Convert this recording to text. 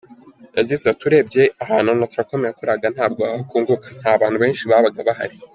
Yagize ati “Urebye ahantu Onatracom yakoreraga ntabwo wakunguka, nta bantu benshi babaga bahari.